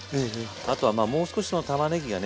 あとはもう少したまねぎがね